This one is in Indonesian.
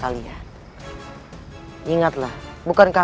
kita makin benar benar maju